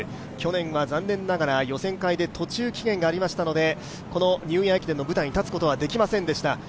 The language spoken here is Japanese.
去年は残念ながら、予選会で途中棄権がありましたのでニューイヤー駅伝の舞台に立つことができませんでした。